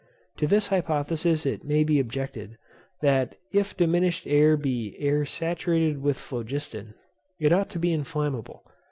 To this hypothesis it may be objected, that, if diminished air be air saturated with phlogiston, it ought to be inflammable.